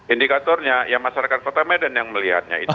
indikatornya ya masyarakat kota medan yang melihatnya itu